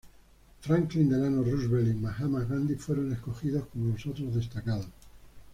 Franklin D. Roosevelt y Mahatma Gandhi fueron escogidos como los otros destacados.